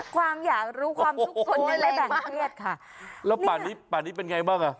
ความอยากรู้ความทุกคนและแบ่งเครียดค่ะแล้วป่านนี้ป่านี้เป็นไงบ้างอ่ะ